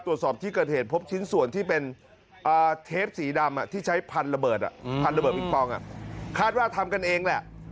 ตรวจสอบที่เกิดเหตุพบชิ้นส่วนที่เป็นเทปสีดำที่ใช้พันระเบิดพันระเบิงปองคาดว่าทำกันเองแหละ